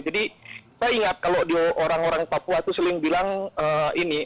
jadi saya ingat kalau orang orang papua itu seling bilang ini